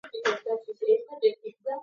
მდებარეობს სოფელ გარბანის განაპირას.